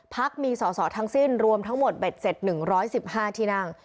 พักมีสอสอทั้งสิ้นรวมทั้งหมด๑๗๑ร้อย๑๕ที่นั่ง